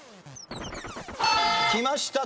きました。